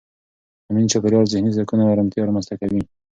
امن چاپېریال ذهني سکون او ارامتیا رامنځته کوي.